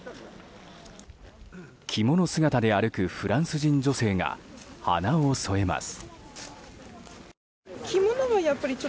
着物姿で歩くフランス人女性が花を添えます。